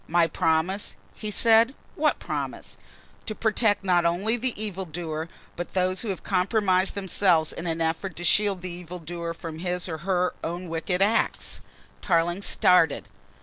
"My promise," he said, "what promise?" "To protect, not only the evil doer, but those who have compromised themselves in an effort to shield the evil doer from his or her own wicked act." Tarling started.